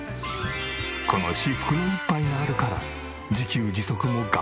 この至福の１杯があるから自給自足も頑張れる。